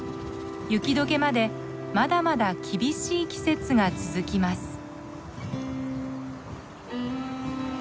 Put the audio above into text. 雪解けまでまだまだ厳しい季節が続きます。